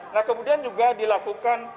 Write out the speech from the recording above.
nah kemudian juga dilakukan